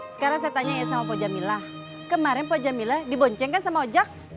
sekarang saya tanya ya sama pojamilah kemarin pojamila diboncengkan sama ojek